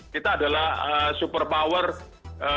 kita adalah super power